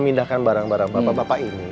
memindahkan barang barang bapak bapak ini